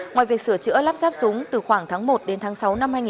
ngoài việc sửa chữa lắp ráp súng từ khoảng tháng một đến tháng sáu năm hai nghìn hai mươi